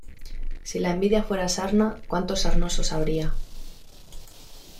Si la envidia fuera sarna, cuantos sarnosos habría.